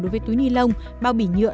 đối với túi nilon bao bỉ nhựa